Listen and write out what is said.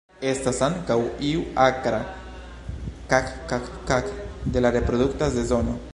Estas ankaŭ iu akra "kak-kak-kak" de la reprodukta sezono.